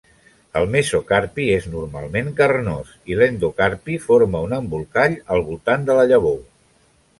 El mesocarpi és normalment carnós, i l'endocarpi forma un embolcall al voltant de la llavor.